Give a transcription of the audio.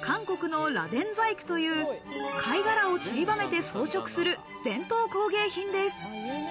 韓国の螺鈿細工という貝殻をちりばめて装飾する伝統工芸品です。